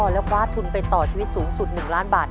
และว้าดทุนไปต่อชีวิตสูงสุด๑ล้านบาทได้หรือไม่